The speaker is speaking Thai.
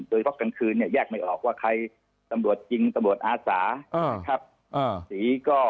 กลางคืนเนี่ยแยกไม่ออกว่าใครตำรวจจริงตำรวจอาสานะครับ